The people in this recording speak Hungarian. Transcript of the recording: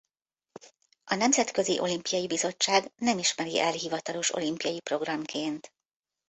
A Nemzetközi Olimpiai Bizottság nem ismeri el hivatalos olimpiai programként.